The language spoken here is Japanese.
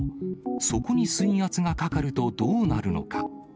そこに水圧がかかるとどうなるのか。